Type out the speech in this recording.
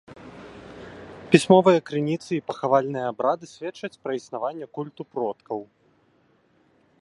Пісьмовыя крыніцы і пахавальныя абрады сведчаць пра існаванне культу продкаў.